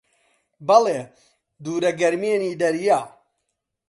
بەڵێ: دوورە گەرمێنی دەریا